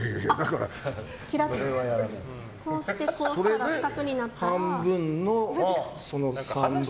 こうしてこうして四角になったら。